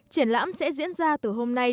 triển lãm sẽ diễn ra từ hôm nay